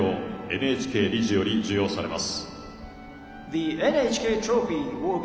ＮＨＫ理事より授与されます。